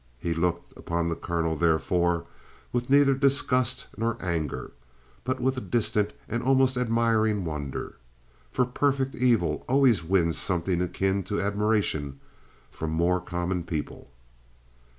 He looked upon the colonel, therefore, with neither disgust nor anger, but with a distant and almost admiring wonder. For perfect evil always wins something akin to admiration from more common people.